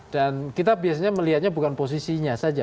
dan kita biasanya melihatnya bukan posisinya saja